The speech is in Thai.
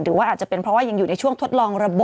หรือว่าอาจจะเป็นเพราะว่ายังอยู่ในช่วงทดลองระบบ